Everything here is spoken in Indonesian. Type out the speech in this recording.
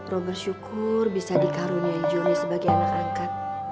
ro bersyukur bisa dikaruniai jonny sebagai anak angkat